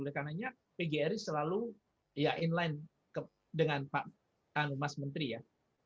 oleh karena pgr selalu in line dengan pak mas menteri ya